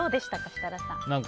設楽さん。